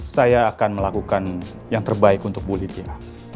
saya akan melakukan yang terbaik untuk bulitnya